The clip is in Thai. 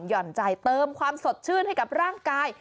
ห่อนใจเติมความสดชื่นให้กับร่างกาย